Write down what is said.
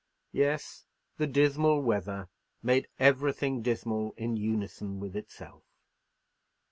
Yes, the dismal weather made everything dismal in unison with itself.